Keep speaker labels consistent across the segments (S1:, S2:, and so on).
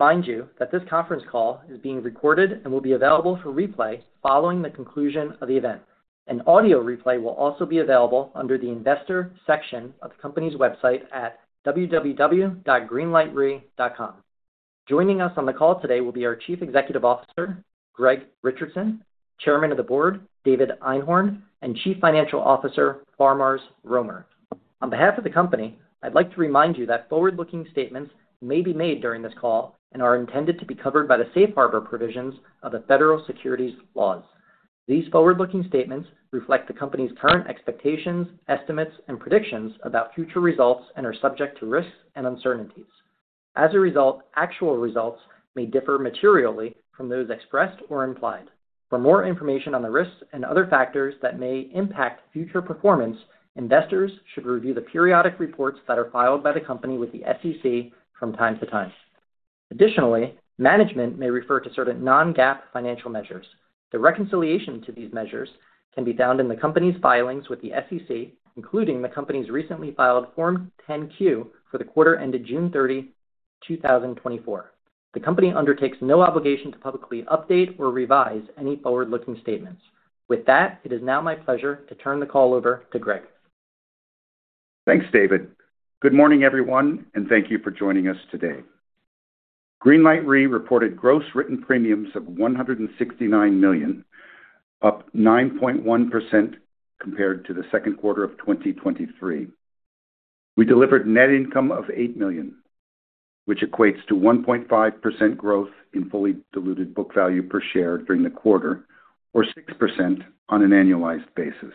S1: Remind you that this conference call is being recorded and will be available for replay following the conclusion of the event. An audio replay will also be available under the Investor section of the company's website at www.greenlightre.com. Joining us on the call today will be our Chief Executive Officer, Greg Richardson, Chairman of the Board, David Einhorn, and Chief Financial Officer, Faramarz Romer. On behalf of the company, I'd like to remind you that forward-looking statements may be made during this call and are intended to be covered by the safe harbor provisions of the federal securities laws. These forward-looking statements reflect the company's current expectations, estimates, and predictions about future results and are subject to risks and uncertainties. As a result, actual results may differ materially from those expressed or implied. For more information on the risks and other factors that may impact future performance, investors should review the periodic reports that are filed by the company with the SEC from time to time. Additionally, management may refer to certain non-GAAP financial measures. The reconciliation to these measures can be found in the company's filings with the SEC, including the company's recently filed Form 10-Q for the quarter ended June 30, 2024. The company undertakes no obligation to publicly update or revise any forward-looking statements. With that, it is now my pleasure to turn the call over to Greg.
S2: Thanks, David. Good morning, everyone, and thank you for joining us today. Greenlight Re reported gross written premiums of $169 million, up 9.1% compared to the second quarter of 2023. We delivered net income of $8 million, which equates to 1.5% growth in fully diluted book value per share during the quarter, or 6% on an annualized basis.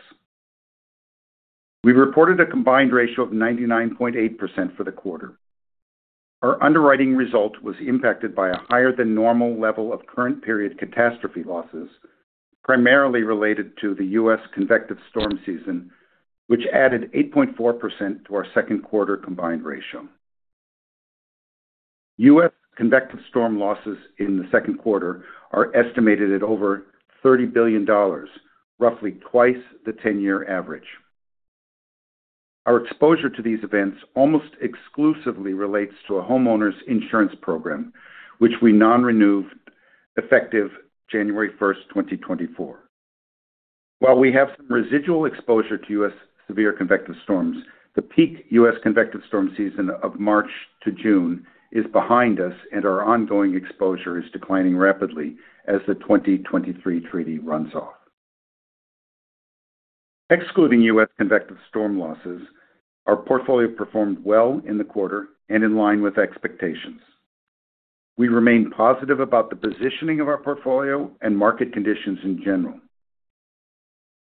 S2: We reported a combined ratio of 99.8% for the quarter. Our underwriting result was impacted by a higher than normal level of current period catastrophe losses, primarily related to the U.S. convective storm season, which added 8.4% to our second quarter combined ratio. U.S. convective storm losses in the second quarter are estimated at over $30 billion, roughly twice the 10-year average. Our exposure to these events almost exclusively relates to a homeowner's insurance program, which we non-renewed, effective January 1, 2024. While we have some residual exposure to U.S. severe convective storms, the peak U.S. convective storm season of March to June is behind us, and our ongoing exposure is declining rapidly as the 2023 treaty runs off. Excluding U.S. convective storm losses, our portfolio performed well in the quarter and in line with expectations. We remain positive about the positioning of our portfolio and market conditions in general.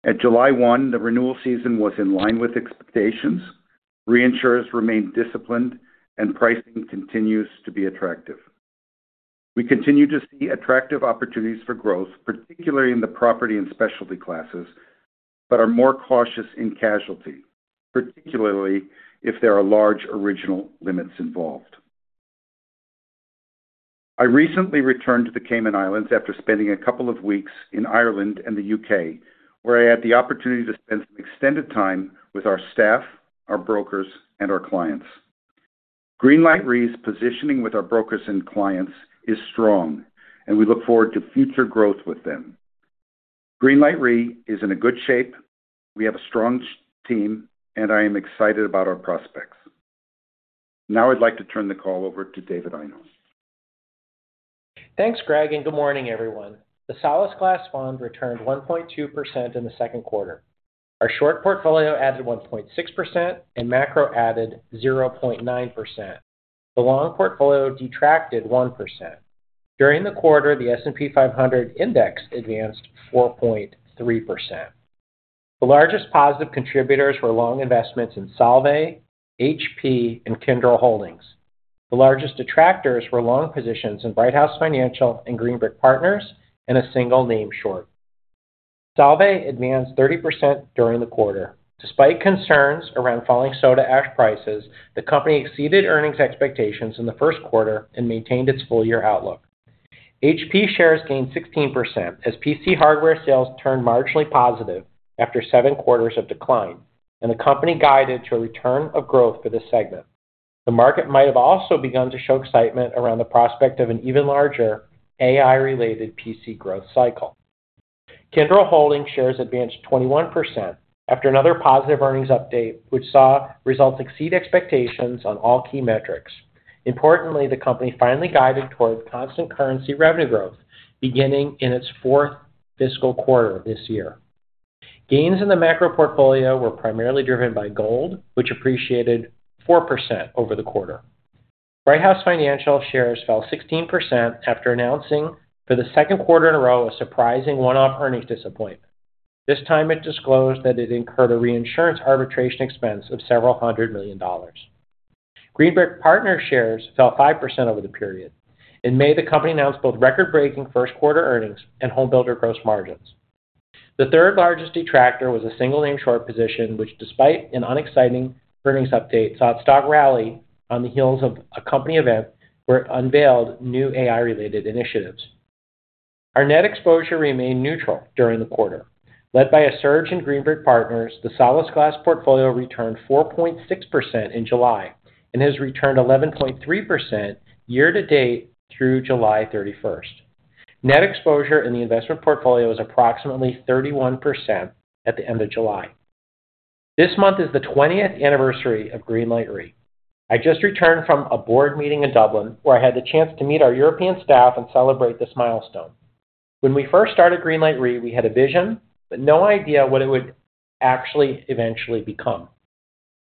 S2: At July 1, the renewal season was in line with expectations. Reinsurers remained disciplined, and pricing continues to be attractive. We continue to see attractive opportunities for growth, particularly in the property and specialty classes, but are more cautious in casualty, particularly if there are large original limits involved. I recently returned to the Cayman Islands after spending a couple of weeks in Ireland and the U.K., where I had the opportunity to spend some extended time with our staff, our brokers, and our clients. Greenlight Re's positioning with our brokers and clients is strong, and we look forward to future growth with them. Greenlight Re is in a good shape, we have a strong team, and I am excited about our prospects. Now I'd like to turn the call over to David Einhorn.
S3: Thanks, Greg, and good morning, everyone. The Solasglas Fund returned 1.2% in the second quarter. Our short portfolio added 1.6% and macro added 0.9%. The long portfolio detracted 1%. During the quarter, the S&P 500 index advanced 4.3%. The largest positive contributors were long investments in Solvay, HP, and Kyndryl Holdings. The largest detractors were long positions in Brighthouse Financial and Green Brick Partners, and a single-name short. Solvay advanced 30% during the quarter. Despite concerns around falling soda ash prices, the company exceeded earnings expectations in the first quarter and maintained its full-year outlook. HP shares gained 16% as PC hardware sales turned marginally positive after seven quarters of decline, and the company guided to a return of growth for this segment. The market might have also begun to show excitement around the prospect of an even larger AI-related PC growth cycle. Kyndryl Holdings shares advanced 21% after another positive earnings update, which saw results exceed expectations on all key metrics. Importantly, the company finally guided towards constant currency revenue growth beginning in its fourth fiscal quarter this year. Gains in the macro portfolio were primarily driven by gold, which appreciated 4% over the quarter. Brighthouse Financial shares fell 16% after announcing for the second quarter in a row, a surprising one-off earnings disappointment. This time, it disclosed that it incurred a reinsurance arbitration expense of $several hundred million. Green Brick Partners shares fell 5% over the period. In May, the company announced both record-breaking first quarter earnings and home builder gross margins. The third largest detractor was a single-name short position, which, despite an unexciting earnings update, saw its stock rally on the heels of a company event where it unveiled new AI-related initiatives.... Our net exposure remained neutral during the quarter. Led by a surge in Green Brick Partners, the Solasglas portfolio returned 4.6% in July, and has returned 11.3% year-to-date through July 31. Net exposure in the investment portfolio is approximately 31% at the end of July. This month is the 20th anniversary of Greenlight Re. I just returned from a board meeting in Dublin, where I had the chance to meet our European staff and celebrate this milestone. When we first started Greenlight Re, we had a vision, but no idea what it would actually eventually become.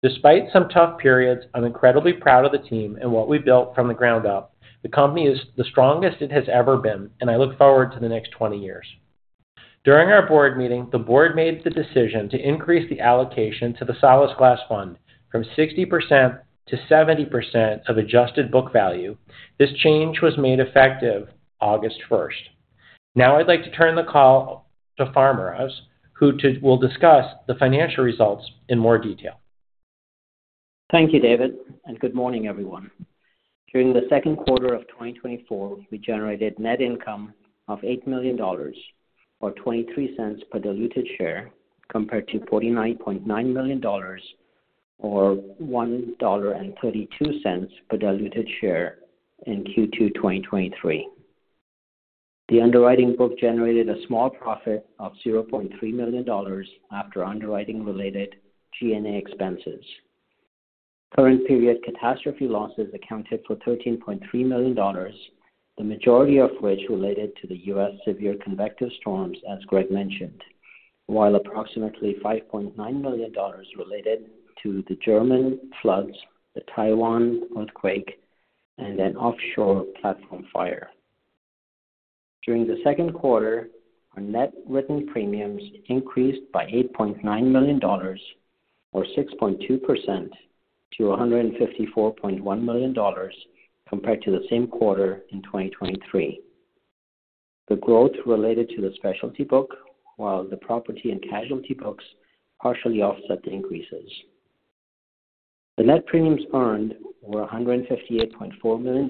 S3: Despite some tough periods, I'm incredibly proud of the team and what we've built from the ground up. The company is the strongest it has ever been, and I look forward to the next 20 years. During our board meeting, the board made the decision to increase the allocation to the Solasglas Fund from 60%-70% of adjusted book value. This change was made effective August 1st. Now I'd like to turn the call to Faramarz, who will discuss the financial results in more detail.
S4: Thank you, David, and good morning, everyone. During the second quarter of 2024, we generated net income of $8 million or $0.23 per diluted share, compared to $49.9 million or $1.32 per diluted share in Q2 2023. The underwriting book generated a small profit of $0.3 million after underwriting related G&A expenses. Current period catastrophe losses accounted for $13.3 million, the majority of which related to the U.S. severe convective storms, as Greg mentioned, while approximately $5.9 million related to the German floods, the Taiwan earthquake, and an offshore platform fire. During the second quarter, our net written premiums increased by $8.9 million, or 6.2% to $154.1 million compared to the same quarter in 2023. The growth related to the specialty book, while the property and casualty books partially offset the increases. The net premiums earned were $158.4 million,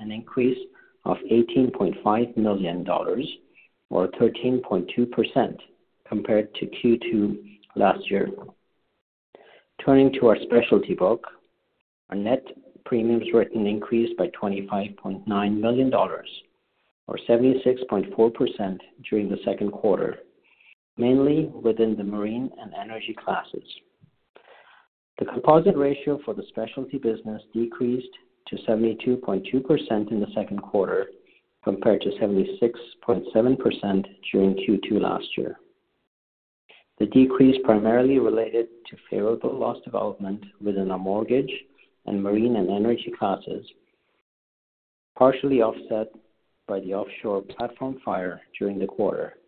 S4: an increase of $18.5 million, or 13.2% compared to Q2 last year. Turning to our specialty book, our net premiums written increased by $25.9 million or 76.4% during the second quarter, mainly within the marine and energy classes. The composite ratio for the specialty business decreased to 72.2% in the second quarter, compared to 76.7% during Q2 last year. The decrease primarily related to favorable loss development within our mortgage and marine and energy classes, partially offset by the offshore platform fire during the quarter.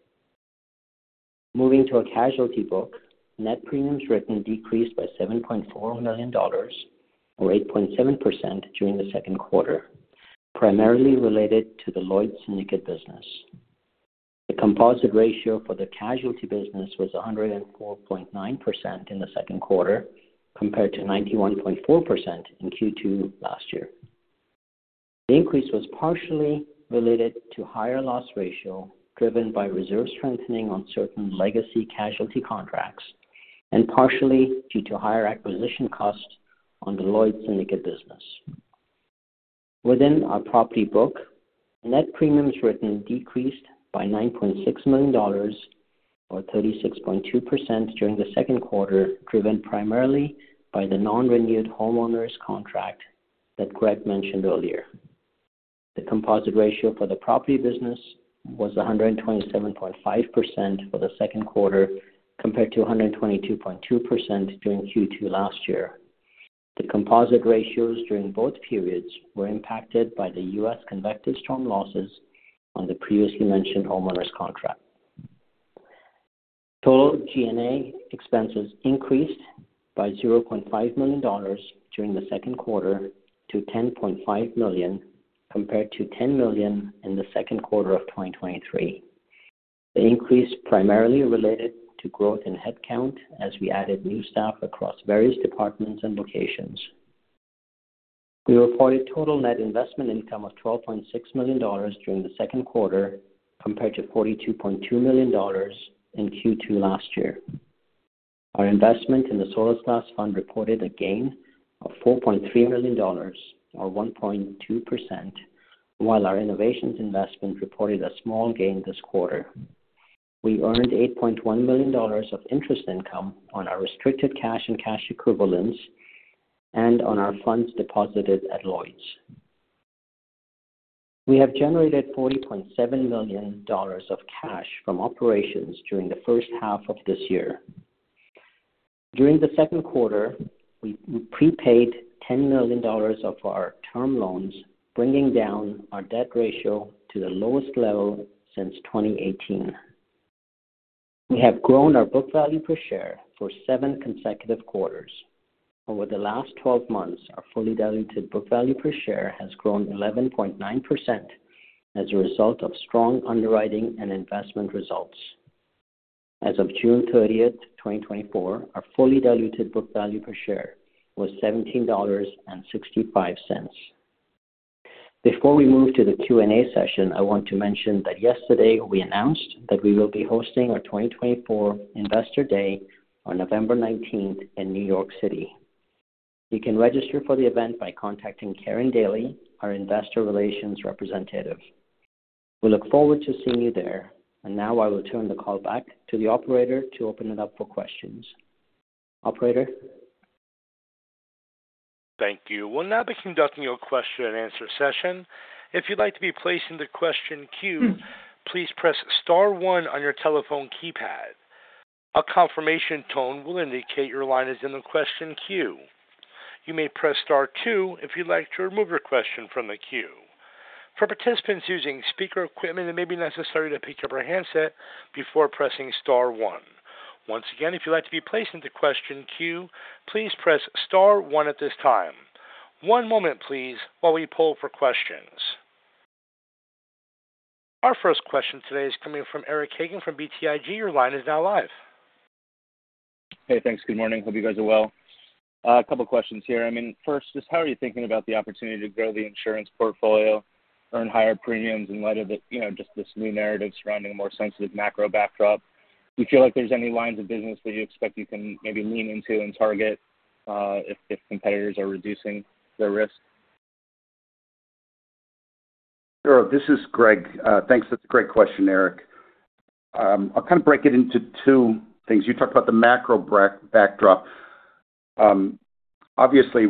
S4: Moving to our casualty book, net premiums written decreased by $7.4 million, or 8.7% during the second quarter, primarily related to the Lloyd's Syndicate business. The composite ratio for the casualty business was 104.9% in the second quarter, compared to 91.4% in Q2 last year. The increase was partially related to higher loss ratio, driven by reserve strengthening on certain legacy casualty contracts, and partially due to higher acquisition costs on the Lloyd's Syndicate business. Within our property book, net premiums written decreased by $9.6 million, or 36.2% during the second quarter, driven primarily by the non-renewed homeowners contract that Greg mentioned earlier. The composite ratio for the property business was 127.5% for the second quarter, compared to 122.2% during Q2 last year. The composite ratios during both periods were impacted by the U.S. convective storm losses on the previously mentioned homeowner's contract. Total G&A expenses increased by $0.5 million during the second quarter to $10.5 million, compared to $10 million in the second quarter of 2023. The increase primarily related to growth in headcount, as we added new staff across various departments and locations. We reported total net investment income of $12.6 million during the second quarter, compared to $42.2 million in Q2 last year. Our investment in the Solasglas fund reported a gain of $4.3 million, or 1.2%, while our innovations investment reported a small gain this quarter. We earned $8.1 million of interest income on our restricted cash and cash equivalents and on our funds deposited at Lloyd's. We have generated $40.7 million of cash from operations during the first half of this year. During the second quarter, we prepaid $10 million of our term loans, bringing down our debt ratio to the lowest level since 2018. We have grown our book value per share for seven consecutive quarters. Over the last 12 months, our fully diluted book value per share has grown 11.9% as a result of strong underwriting and investment results. As of June 30, 2024, our fully diluted book value per share was $17.65. Before we move to the Q&A session, I want to mention that yesterday we announced that we will be hosting our 2024 Investor Day on November 19 in New York City. You can register for the event by contacting Karen Daly, our investor relations representative. We look forward to seeing you there. And now I will turn the call back to the operator to open it up for questions. Operator?
S1: Thank you. We'll now be conducting your question and answer session. If you'd like to be placed in the question queue, please press star one on your telephone keypad. A confirmation tone will indicate your line is in the question queue. You may press star two if you'd like to remove your question from the queue. For participants using speaker equipment, it may be necessary to pick up your handset before pressing star one. Once again, if you'd like to be placed into question queue, please press star one at this time. One moment, please, while we poll for questions. Our first question today is coming from Eric Hagan from BTIG. Your line is now live.
S5: Hey, thanks. Good morning. Hope you guys are well. A couple questions here. I mean, first, just how are you thinking about the opportunity to grow the insurance portfolio, earn higher premiums in light of the, you know, just this new narrative surrounding a more sensitive macro backdrop? Do you feel like there's any lines of business that you expect you can maybe lean into and target, if competitors are reducing their risk?
S2: Sure. This is Greg. Thanks. That's a great question, Eric. I'll kind of break it into two things. You talked about the macro backdrop. Obviously,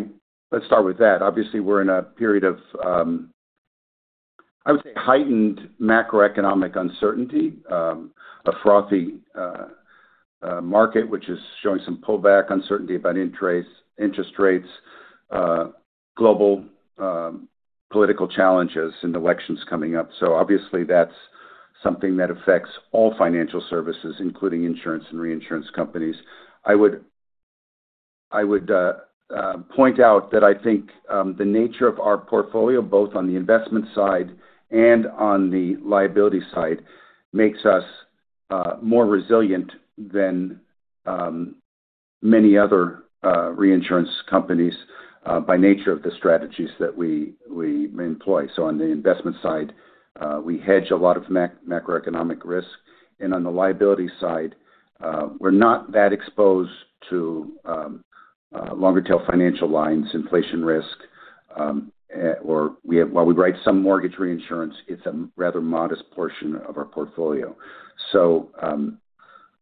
S2: let's start with that. Obviously, we're in a period of, I would say, heightened macroeconomic uncertainty, a frothy market, which is showing some pullback, uncertainty about interest rates, global political challenges and elections coming up. So obviously, that's something that affects all financial services, including insurance and reinsurance companies. I would point out that I think the nature of our portfolio, both on the investment side and on the liability side, makes us more resilient than many other reinsurance companies, by nature of the strategies that we employ. So on the investment side, we hedge a lot of macroeconomic risk, and on the liability side, we're not that exposed to longer tail financial lines, inflation risk, or while we write some mortgage reinsurance, it's a rather modest portion of our portfolio. So,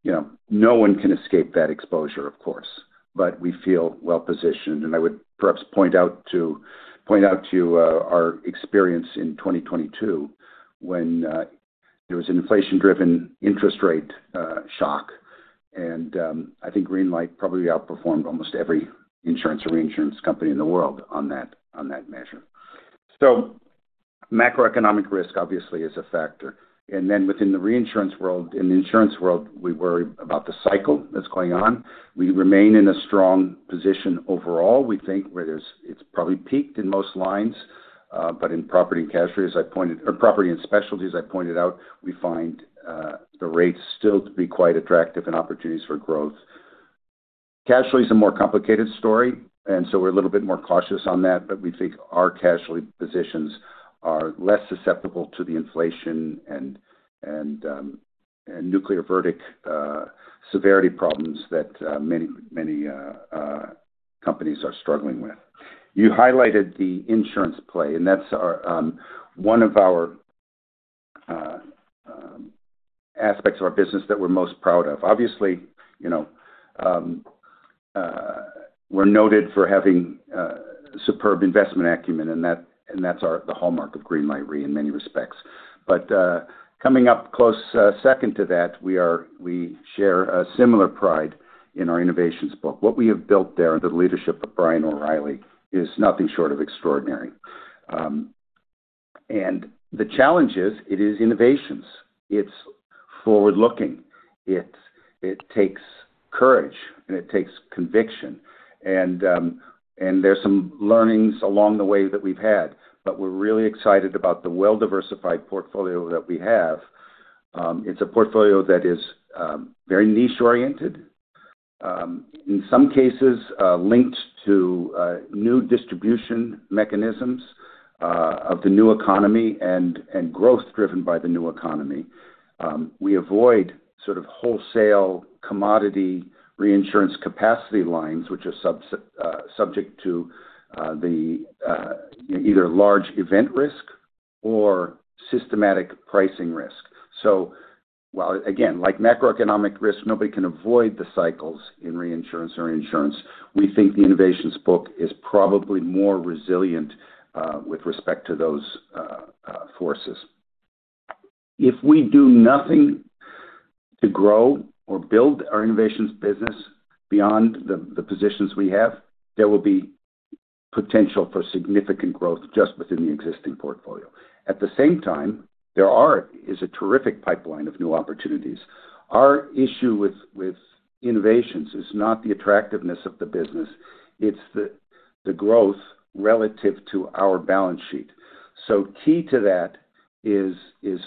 S2: you know, no one can escape that exposure, of course, but we feel well positioned. And I would perhaps point out our experience in 2022, when there was an inflation-driven interest rate shock. And I think Greenlight probably outperformed almost every insurance or reinsurance company in the world on that measure. So macroeconomic risk, obviously, is a factor. And then within the reinsurance world, in the insurance world, we worry about the cycle that's going on. We remain in a strong position overall. We think whereas it's probably peaked in most lines, but in property and casualty or property and specialty, as I pointed out, we find the rates still to be quite attractive and opportunities for growth. Casualty is a more complicated story, and so we're a little bit more cautious on that, but we think our casualty positions are less susceptible to the inflation and nuclear verdict severity problems that many companies are struggling with. You highlighted the insurance play, and that's one of our aspects of our business that we're most proud of. Obviously, you know, we're noted for having superb investment acumen, and that's the hallmark of Greenlight Re in many respects. Coming up close, second to that, we share a similar pride in our Innovations book. What we have built there, and the leadership of Brian O'Reilly, is nothing short of extraordinary. And the challenge is, it is Innovations, it's forward-looking, it takes courage, and it takes conviction. And there's some learnings along the way that we've had, but we're really excited about the well-diversified portfolio that we have. It's a portfolio that is very niche-oriented, in some cases linked to new distribution mechanisms of the new economy and growth driven by the new economy. We avoid sort of wholesale commodity reinsurance capacity lines, which are subject to either large event risk or systematic pricing risk. So while, again, like macroeconomic risk, nobody can avoid the cycles in reinsurance or insurance. We think the Innovations book is probably more resilient with respect to those forces. If we do nothing to grow or build our Innovations business beyond the positions we have, there will be potential for significant growth just within the existing portfolio. At the same time, there is a terrific pipeline of new opportunities. Our issue with Innovations is not the attractiveness of the business, it's the growth relative to our balance sheet. So key to that is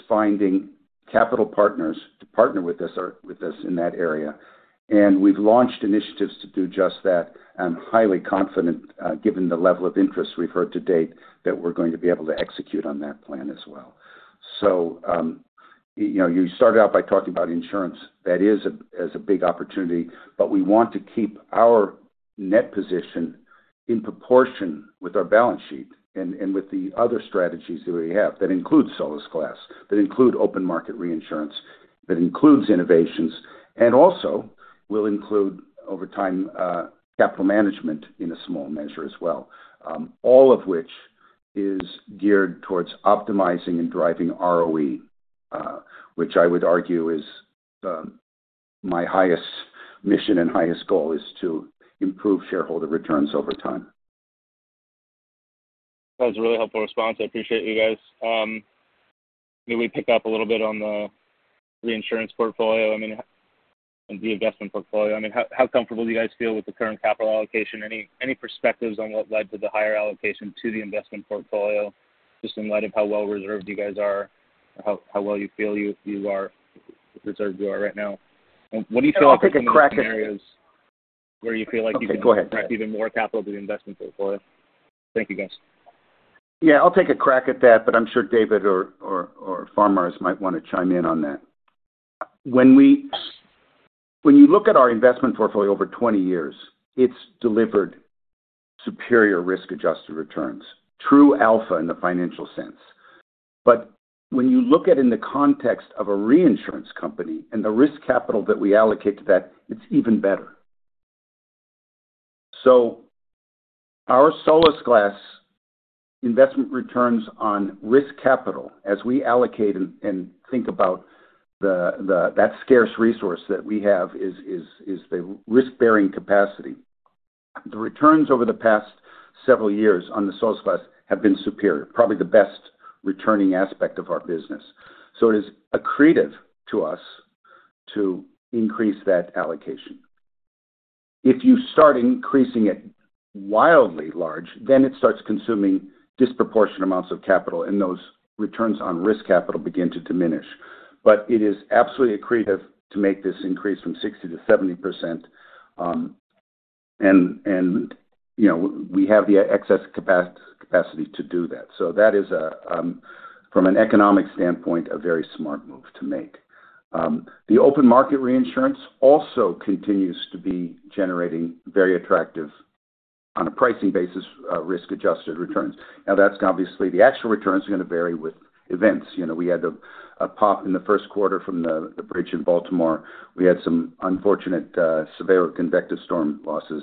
S2: finding capital partners to partner with us, or with us in that area. And we've launched initiatives to do just that. I'm highly confident, given the level of interest we've heard to date, that we're going to be able to execute on that plan as well. So, you know, you started out by talking about insurance. That is a big opportunity, but we want to keep our net position in proportion with our balance sheet and with the other strategies that we have. That includes Solasglas, that include open market reinsurance, that includes innovations, and also will include, over time, capital management in a small measure as well. All of which is geared towards optimizing and driving ROE, which I would argue is my highest mission and highest goal, is to improve shareholder returns over time.
S5: That was a really helpful response. I appreciate you guys. Maybe we picked up a little bit on the reinsurance portfolio. I mean, on the investment portfolio. I mean, how comfortable do you guys feel with the current capital allocation? Any perspectives on what led to the higher allocation to the investment portfolio, just in light of how well reserved you guys are, or how well you feel you are reserved right now? And what do you feel like in areas where you feel like you can-
S2: Go ahead.
S5: direct even more capital to the investment portfolio? Thank you, guys.
S2: Yeah, I'll take a crack at that, but I'm sure David or Faramarz might want to chime in on that. When you look at our investment portfolio over 20 years, it's delivered superior risk-adjusted returns, true alpha in the financial sense. But when you look at in the context of a reinsurance company and the risk capital that we allocate to that, it's even better. So our Solasglas investment returns on risk capital, as we allocate and think about the that scarce resource that we have is the risk-bearing capacity. The returns over the past several years on the Solasglas have been superior, probably the best returning aspect of our business. So it is accretive to us to increase that allocation. If you start increasing it wildly large, then it starts consuming disproportionate amounts of capital, and those returns on risk capital begin to diminish. But it is absolutely accretive to make this increase from 60%-70%, and you know, we have the excess capacity to do that. So that is from an economic standpoint a very smart move to make. The open market reinsurance also continues to be generating very attractive, on a pricing basis, risk-adjusted returns. Now, that's obviously the actual returns are going to vary with events. You know, we had a pop in the first quarter from the bridge in Baltimore. We had some unfortunate severe convective storm losses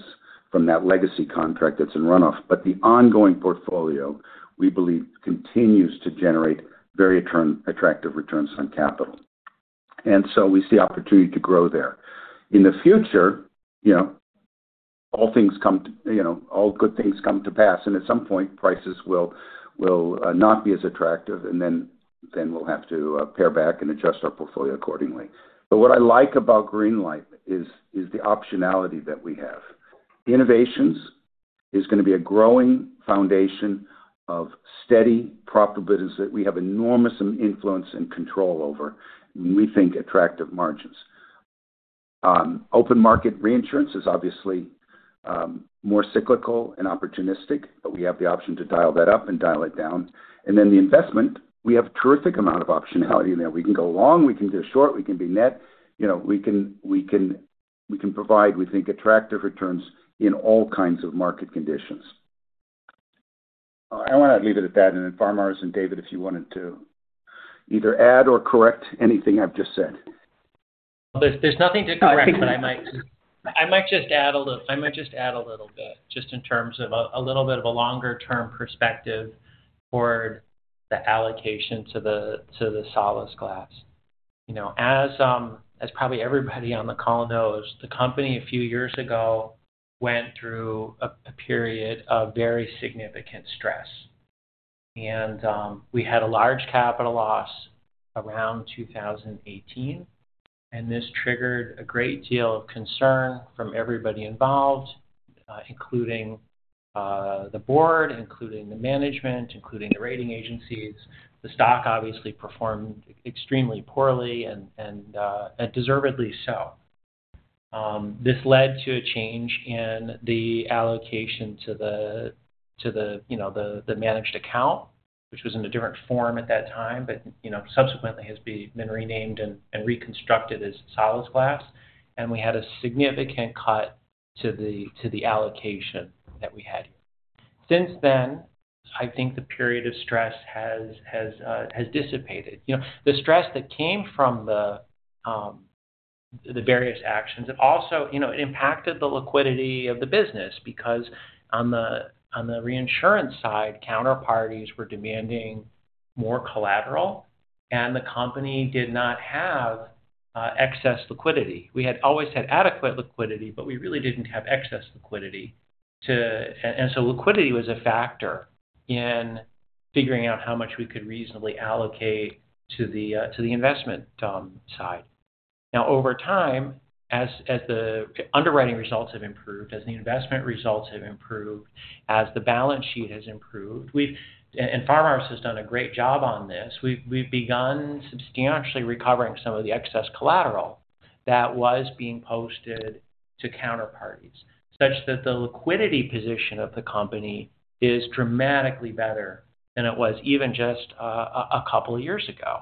S2: from that legacy contract that's in runoff. But the ongoing portfolio, we believe, continues to generate very attractive returns on capital. So we see opportunity to grow there. In the future, you know, all things come to, you know, all good things come to pass, and at some point, prices will not be as attractive, and then we'll have to pare back and adjust our portfolio accordingly. But what I like about Greenlight is the optionality that we have. Innovations is going to be a growing foundation of steady profitabilities that we have enormous influence and control over, and we think attractive margins. Open market reinsurance is obviously more cyclical and opportunistic, but we have the option to dial that up and dial it down. Then the investment, we have terrific amount of optionality in there. We can go long, we can go short, we can be net. You know, we can provide, we think, attractive returns in all kinds of market conditions. I want to leave it at that, and then Faramarz and David, if you wanted to either add or correct anything I've just said.
S3: There's nothing to correct, but I might just add a little bit, just in terms of a little bit of a longer-term perspective for the allocation to the Solasglas. You know, as probably everybody on the call knows, the company a few years ago went through a period of very significant stress, and we had a large capital loss around 2018, and this triggered a great deal of concern from everybody involved, including the board, including the management, including the rating agencies. The stock obviously performed extremely poorly and deservedly so. This led to a change in the allocation to the, you know, the managed account, which was in a different form at that time, but, you know, subsequently has been renamed and reconstructed as Solus Glass, and we had a significant cut to the allocation that we had. Since then, I think the period of stress has dissipated. You know, the stress that came from the various actions, it also, you know, it impacted the liquidity of the business because on the reinsurance side, counterparties were demanding more collateral, and the company did not have excess liquidity. We had always had adequate liquidity, but we really didn't have excess liquidity to... So liquidity was a factor in figuring out how much we could reasonably allocate to the investment side. Now, over time, as the underwriting results have improved, as the investment results have improved, as the balance sheet has improved, we've, and Faramarz has done a great job on this. We've begun substantially recovering some of the excess collateral that was being posted to counterparties, such that the liquidity position of the company is dramatically better than it was even just a couple of years ago.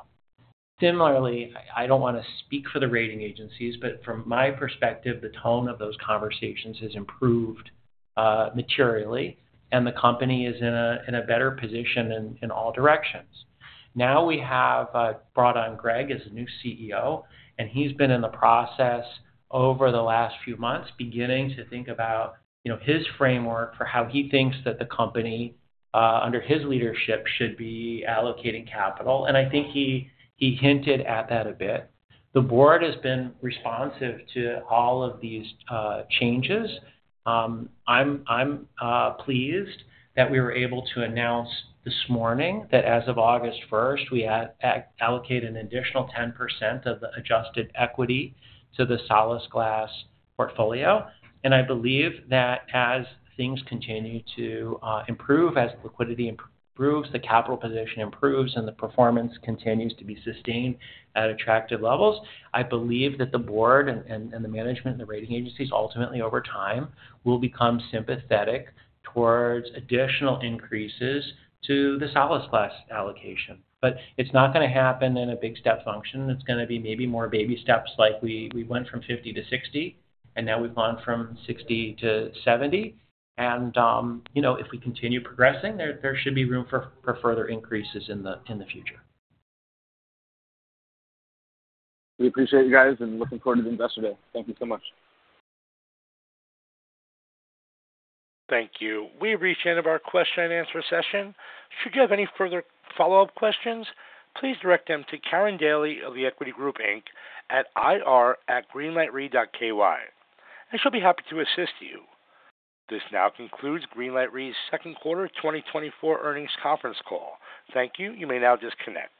S3: Similarly, I don't wanna speak for the rating agencies, but from my perspective, the tone of those conversations has improved materially, and the company is in a better position in all directions. Now, we have brought on Greg as a new CEO, and he's been in the process over the last few months, beginning to think about, you know, his framework for how he thinks that the company under his leadership should be allocating capital. And I think he hinted at that a bit. The board has been responsive to all of these changes. I'm pleased that we were able to announce this morning that as of August first, we had allocated an additional 10% of the adjusted equity to the Solasglas portfolio. I believe that as things continue to improve, as liquidity improves, the capital position improves, and the performance continues to be sustained at attractive levels, I believe that the board and the management and the rating agencies, ultimately, over time, will become sympathetic towards additional increases to the Solasglas allocation. But it's not gonna happen in a big step function. It's gonna be maybe more baby steps, like we went from 50-60, and now we've gone from 60-70. You know, if we continue progressing, there should be room for further increases in the future.
S5: We appreciate you guys, and looking forward to the Investor Day. Thank you so much.
S1: Thank you. We've reached the end of our question and answer session. Should you have any further follow-up questions, please direct them to Karen Daly of The Equity Group Inc. at ir@greenlightre.ky. She'll be happy to assist you. This now concludes Greenlight Re's Second Quarter 2024 earnings conference call. Thank you. You may now disconnect.